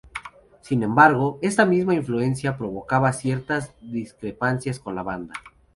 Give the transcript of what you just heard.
Sin embargo, esta misma influencia provocaba ciertas discrepancias con la banda.